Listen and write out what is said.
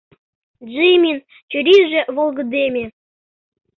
Джиммин чурийже волгыдеме: